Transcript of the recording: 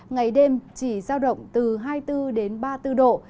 ngày đêm chỉ giao động từ hai mươi bốn đến hai mươi năm độ c